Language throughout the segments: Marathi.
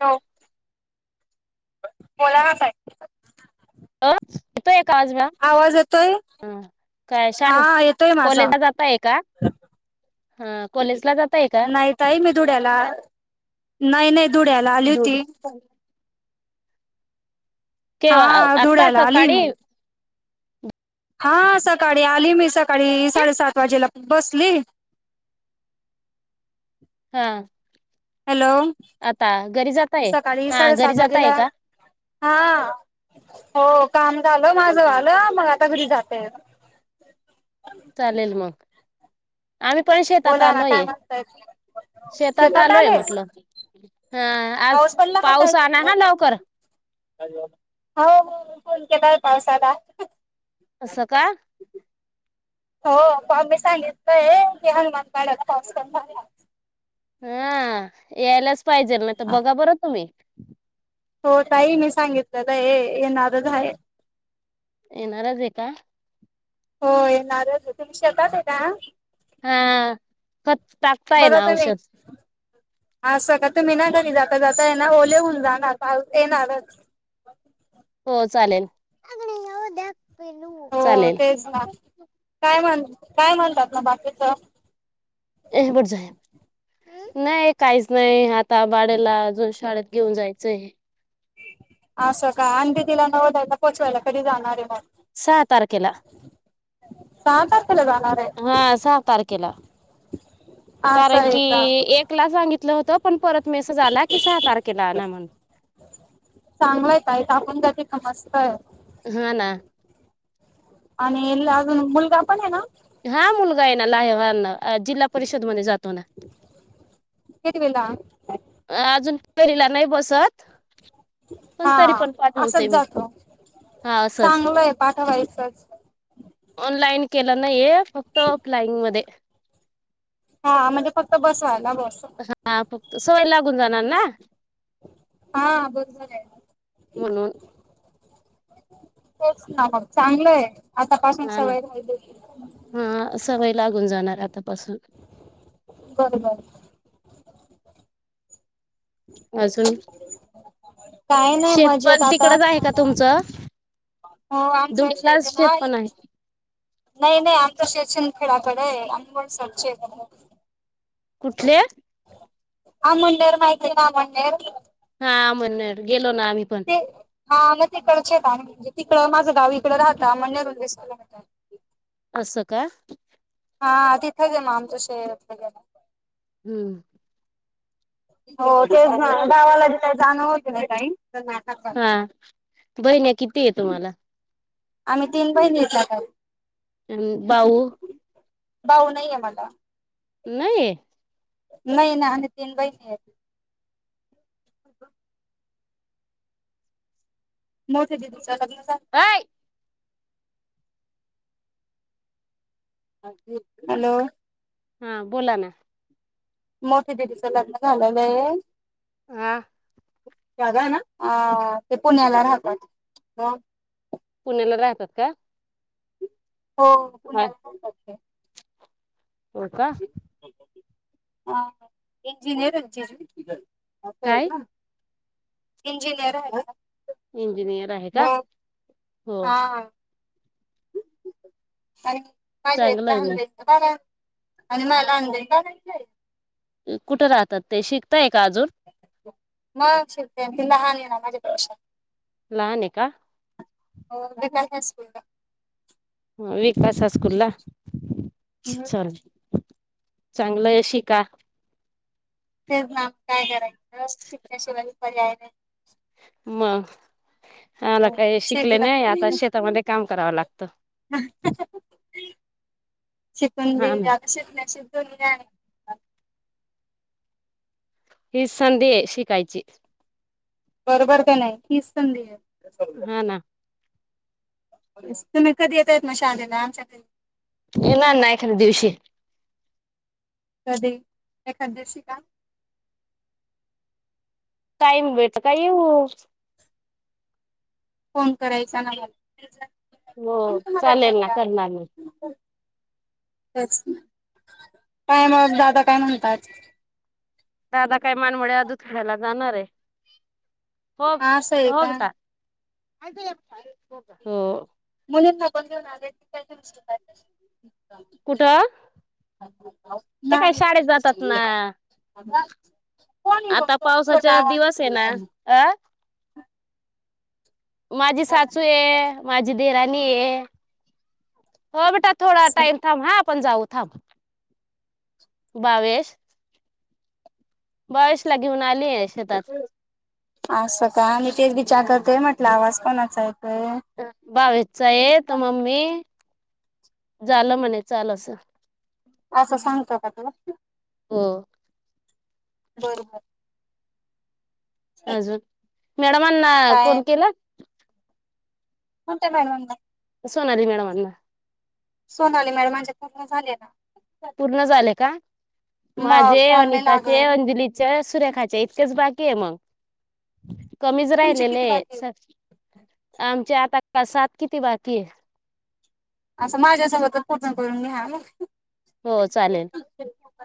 हॅलो बोला ना ताय आ आवाज येतोय काय शा हा येतोय माझा कॉलेजला जाताय का हा कॉलेजला ज नाही तई मी धुड्याला नाही नाही धुड्याला आली धुड होती हा केव्हा आता धुळ्याला आली सकाळी मी हा सकाळी आली मी सकाळी साडेसात वाजेला बसली हा हॅलो आता घरी जाताय सकाळी हा घरी साडेसात जाताय वाजेला का हा हो काम झालं माझं आलं मग आता घरी जाते चालेल मग आम्ही पण शेतात बोला ना काय आलोय म्हणताय शेतात आलोय म्हटलं हा आज पाऊस पडला का ताई पाऊस आण हा तिकडं लवकर हो हो फोन केलाय पावसाला असं का? हो स्वामी सांगितलंय की हनुमान मडत पाऊस हा यायलाच पाहिजेल ना तर बघा बरं तुम्ही? हो ताई. मी सांगितलंता हे ये येणारच आहे ये येणारच आहे का? हो येणार आहे तुम्ही शेतात आहे का? हा खत टाकताय ना औषध हा सग कां तुम्ही ना घरी जाता जाता येणार ओलेहून जाणार पाऊस येणारच. हो चालेल. हो चालेल तेच ना काय म्हण काय म्हणतात ना बाकीच. ए बट जा नाही काहीच नाही आता बाडेयाला अजून शाळे घेऊन जायचं हे. असं का अंधी तिला नव दयला पोचवायला कधी जाणार आहे मग? सहा तारखेला. सहा तारखेला जाणार आहे. हा सहा तारखेला. असं कारण आहे की का एक ला सांगितलं होत पण परत मेसज आले की सहा तारखेला आना म्हणून चांगलंय ताई टाकून जाते मस्त हे. ह ना आणि अजून मुलगा पण आहे ना? हा मुलगा आहे जिल्हा परिषद मध्ये जातो ना. कितवीला? अजून पहिला ला नाही बसत. पण तरी हा पण असाच पाठवते मी जातो. हा असंच. चांगलंय पाठवायचंच ऑनलाईन केलं नाहीय, फक्त ऑफलाइन मध्ये. हा म्हणजे फक्त बसाल हा फक्त सवय लागून जाणार ना हा बरोबर आहे. म्हणून. तेच ना मग चांगलं हे. ह ना हा सवय लागून जाणार आत्तापासून. बरोबर अजून काय नाही मजेत शेतपल आता तिकडच आहे का तुमचं? हो आमचा धुळ्यालाच ना शेत पण आहे नाही नाही आम तशीछन खेडफेड आहे आणिम सरचे आहे कुठले? आमळनेर माहिते का आमळनेर. हा हा आमळनेर गेलो ना आम्ही पण. ते हा मग तिकडचेत आम्ही. म्हणजे तिकडं माझं गाव इकडं राहत अमळनेर वरून वीस किलोमीटर. अस का? हा तिथंचे म आमच शहर. हम्म. हो ते ना गावाला तिकडे जाणार होते ना ताई. हा बहिणी कितीये तुम्हाला? आम्ही तीन बहिनीत काका. अन भाऊ? भाऊ नाहीये मला. नाहीये. नही ना. आम्ही तीन बहिनेये. हो का [inaudible] मोठ्या दिदिच लग्न झाल. काय हॅलो. हा बोला ना. मोठे दिदिच लग्न झालेलये. आ. जागा ना अ ते पुण्याला राहतात. पुण्याला राहतात का? हो पुण्याला [unintelligible] हो का? हा इंजिनेरे ना ते असय काय का? इंजिनीयर हाय ना. इंजिनियर आहे का? हो. हा आणि पाहिझे चांगलं द आहे मग हंड्रेड बाघा [unintelligible] आणि मला अंधेर कायचय [unintelligible] कुठे राहतात ते शिकताय का अजून. म शिकतेय ति लहाने ना माझ्या पेक्षा. लाहाने का? हो विकास हायस्कूल ला. ह विकास हायस्कूल ला. मग चल चांगलंय शीका. तेच ना काय करायचं शिकण्याशिवाय पर्याय नाही. मग हाना हो. काही शिकले शिकलं नाही आता शेतामध्ये काम करावं लागतं हम [inaudible] शिकून हा ना दिईन आता शिकण्या [unintelligible] ही संधीये शिकायची. बरोबर का नाही हीच संधीये. हा ना. तुम्ही कधी येतायेत म शालेला आमच्या कडे. येनार ना एखाद्या दिवशी. कध एखाद दीशी का? टाईम भेटल का येऊऊ. फोन करायचा ना मला हो येईन तुम्हाला चालेल ना घ्यायला करणार ना. तेच काय मग दादा काय म्हणतात. दादा काय मानमोड्या दुधखेड्याला जाणारे. आसय का? हो मुली हगून घेऊन [unintelligible] कुठं ते काय नाही शाळेत जातात ना कोणी आता मग छोटा पावसाचा आवाज दिवस आहे ना अ माझी सासू आहे माझी देराणी ये हो बेटा थोडा टाइम थाम हा आपण जाऊ थब बावीस बस ला घेऊन आ असं का आणि तेच विचार करतेय म्हटलं आवाज कोणाचा आहे भावेशचा आहे तर मम्मी झालं म्हणे चाल अस असं सांगतो का तुला हो बरोबर अजून मॅडमांना कोल केला मत बॅडवाम सोनाली मॅडम अला सोन आले मॅडम माझ्यात झाले ना पूर्ण झाले का माझे मग कॉल नाही अनिताचे लागत अंजलीचे सुरेखाचे इतकेच बाकी आहे मग कमीच तुमचे किती राहिलेले बाकी आमच्या आता प्रसात किती बाकी आहे असं माझ्यासोबतच पूर्ण करून घ्या मग हो चालेल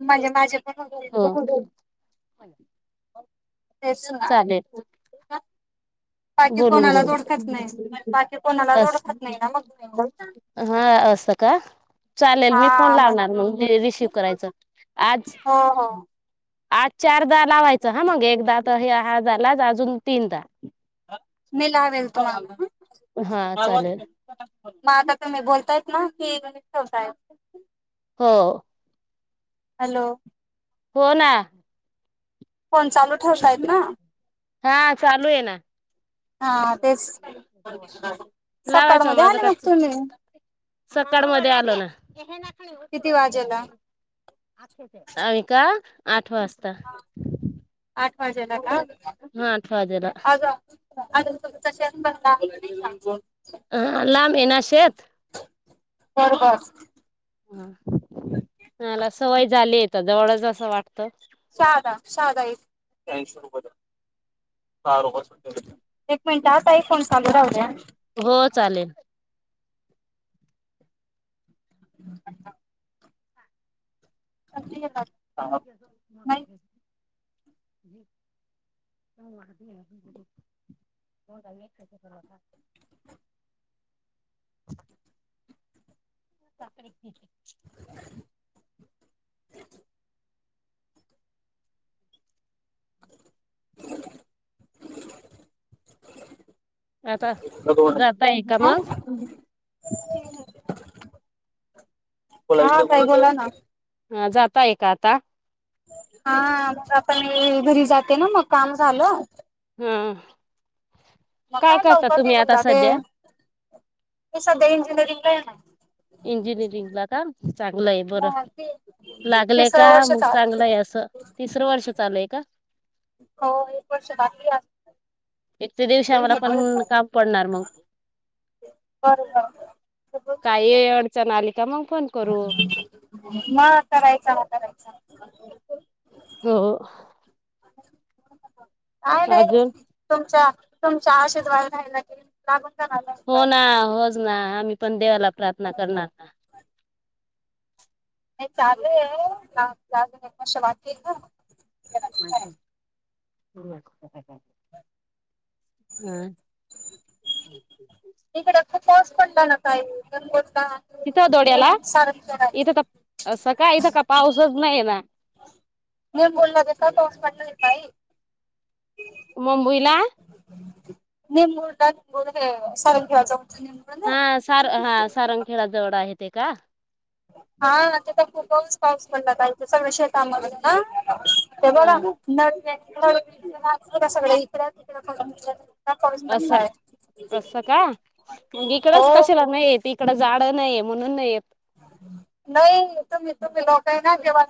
म्हणजे माझे पण होतील हो तेच ना चालेल बाकी बोलून कोणालाच ओळखत नाही बाकी कोणालाच ओळखत नाही ना मग ब हा असत का चालेल मी फोन लावणार मग र रिसिव करायचं आज हो हो आज चारदा लावायचं हा मग एकदा त हहादालाच अजून तीनदा मी लावेल त हा चालेल माझ तर मी बोलताय ना हेवसाय हो हॅलो हो ना फोन चालू ठेव तायत ना हा चालू आहे ना हा तेच लावायचं सकाळमध्ये माझं आले मग काचच तुम्ही सकाळ मध्ये आलो ना किती वाजेला आम् का आठ वाजता मजेला का हा आठ वाजेला अग ांज ह लाम आहे ना शेत बरोबर ह मला सवय झाली आहेेत जवळच असं वाटत साध शध एक एक मिनिट आ आई फोन चालू राह द्या हो चालेल हम् नाही ह महा मग गाम खाच तरता तरी हम आता जाताय का मग ह काही बोला ना ह जाताय का आता हा मग आपण घरी जाते ना मग काम झालं हम मग काय लवकर त कोणता ते सध्या इंजिनिअरिंग काही नाही चांगलंय बरं मग ती लागलंय तिसरं का वर्ष मग चालू आहे. चांगलंय असं तिसरं वर्ष चालूय का हो एक वर्ष बाकी असत एक ते दिवशी आम्हाला पण काम पडणार मग काही अडचण आली का मग फोन करू मग करायचा आता करायचा. हो आहे ना अजून तुमच्या तुमच्या आशीर्वादान राहायला की लागून जाणार हो ना नाही होच ना आम्ही पण देवाला प्रार्थना करणार ना. नाही चालू आहे. अजून एक वर्ष बाकी ना हम् ह [unintelligible] हम्म इकडे खूप पाऊस पडल ना ताई तिथं दौड्याला इथ तर सका इथ का पाऊस नाही आहे ना. मी बोला इथं लई पाऊस पडल ताई मुंबईला निंमूरड निंमूरड हे सर घ्यायच. हा सार हा सारंगखेडा जवळ आहे ते का हा तिथ खूप पाऊस पाऊस पडला ताई सगळं शेतामध्ये ना ते हा बघा सगळ इकड तिकडं पडायल्यात. अस अस का मग हो इकडच कशी लग्न आहेती. इकडं झाडं नाहीये म्हणून नाहीय. नाही तुम्ही तुम्ही लोकही ना जेव्हा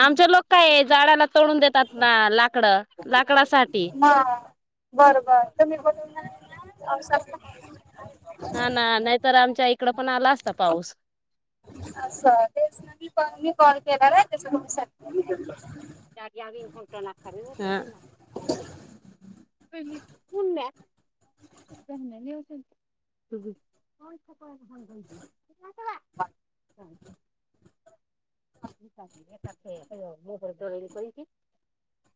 आमचे लोक काय झाडाला तोडून देतात ना लाकडं लाकडासाठी हा बर बर तूम्ही बणून पावसात का हा ना नाहीतर आमच्या इकड पण आला असता पाऊ स तेच नाही पण मी कॉल केला ना त्यास तुमच्यासाठी हम् कूण्या [unintelligible] [unintelligible] मो दोली को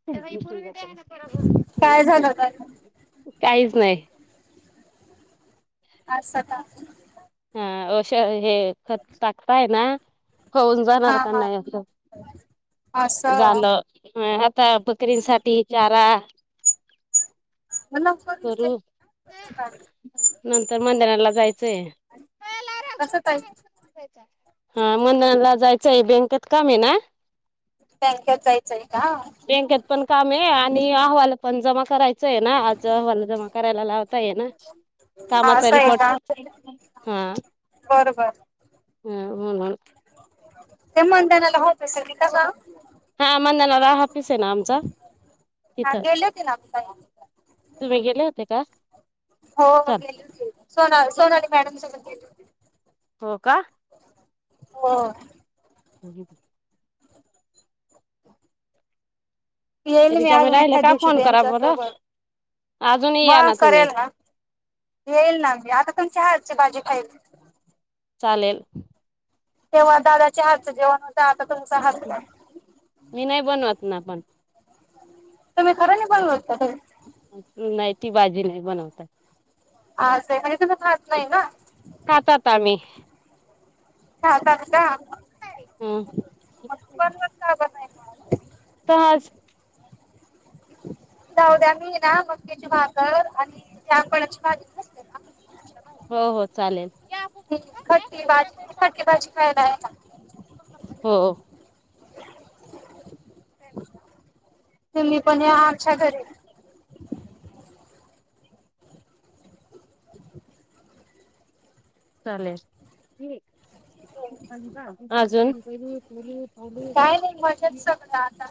क [unintelligible] काय झालं तर काहीच नाही अस का अ होश हे खत टाकताय ना होऊन हा जाणार का हा नाही अस. असं झालं आता बकरींसाठी चारा म करू [unintelligible] नंतर मंदिराला जायचंय. कसं ताई हा मग नंतर ला जायचं आहे. बँकेत काम आहे ना. बँकेत जायचंय का हा बँकेत पण काम आहे आणि अहवाल पण जमा करायच. आहे ना आज अहवाल जमा करायला लावता ये ना कामाचा असं आहे रिपोर्ट ह बरोबर हम हम म्हणून ते मदानाला ऑफीस सारख होतस का. हा मंदला रा हापिस आहे ना आमचा हा तिथं गेलेे होते ना ताई तुम्ही गेले होते का हो चल गेली होती. सोन सोनाली मॅडम संग गेली होती. हो का हो [unintelligible] येईल मी रिकामी अजून राहिले एखा का दिवशी फोन करा त्यांच्या बरं सोबत. अजूनही या मग ना तुम्ही करेल येईल ना मी आता तुमची हज भाजी खायची. लेल [unintelligible] तेव्हा दादा चार्ज देऊन. मी नाही बनवत ना पण तम खरं नि बोलवतार नाही ती बाजी नाही बनवतात. आ आहे म्हणजे तु खहात नाही ना. खातात आम्ही ह का ह म बन का ब [unintelligible] तज जावद्या मी ना मकेचे भाकर आणि मपणाची भाजी नसते ना. हो हो चालेल. ह खट्टी बाजी खट्टे बाजी खायलाय. हो [unintelligible] तुम्ही पण या अच्छा करे. चालेल अजून पुळ पाड. काय नाही मजेत सगळं आता